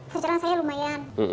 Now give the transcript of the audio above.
sejarah saya lumayan